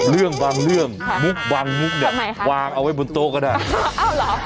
เรื่องบางเรื่องมุกบางมุกเนี่ยวางเอาไว้บนโต๊ะก็ได้อ้าวเหรอ